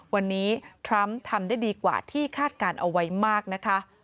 วันนี้ทรัมป์ทำได้ดีกว่าที่คาดการณ์เอาไว้มากนะคะ